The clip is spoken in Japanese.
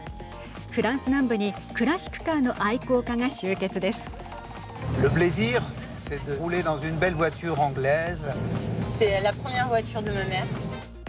フランス南部にクラシックカーの愛好家が集結です。